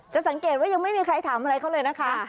สังเกตว่ายังไม่มีใครถามอะไรเขาเลยนะคะ